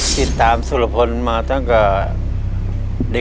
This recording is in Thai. จิตตามสุรพณมาทั้งกับ